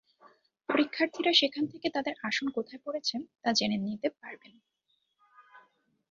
পরীক্ষার্থীরা সেখান থেকে তাঁদের আসন কোথায় পড়েছে তা জেনে নিতে পারবেন।